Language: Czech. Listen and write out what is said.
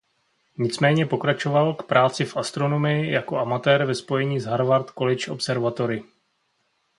Nicméně pokračoval k práci v astronomii jako amatér ve spojení s Harvard College Observatory.